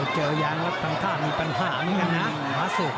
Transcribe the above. เจออย้างกลางที่มีปัญหางอย่างเง่นนะมาสุก